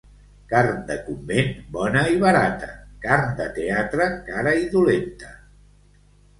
Carn de convent, bona i barata; carn de teatre, cara i dolenta.